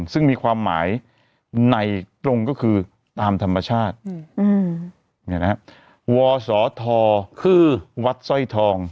ซึ่งมีความหมายในตรงก็คือตามธรรมชาติวศธคือวัดสร้อยทอง